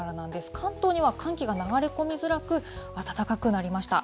関東には寒気が流れ込みづらく、暖かくなりました。